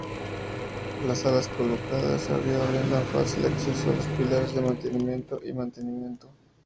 Las alas colocadas arriba brindan fácil acceso a los pilares de mantenimiento y mantenimiento.